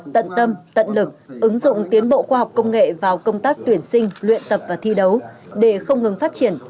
tận tâm tận lực ứng dụng tiến bộ khoa học công nghệ vào công tác tuyển sinh luyện tập và thi đấu để không ngừng phát triển